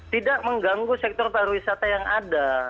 tidak mengganggu sektor pariwisata yang ada